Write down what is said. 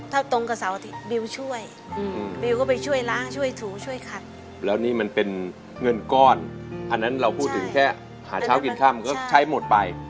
ถ้าตรงกับเสาร์อาทิตย์บิวช่วยบิวก็ไปช่วยล้างช่วยถูช่วยขัดแล้วนี่มันเป็นเงินก้อนอันนั้นเราพูดถึงแค่หาเช้ากินค่ำก็ใช้หมดไป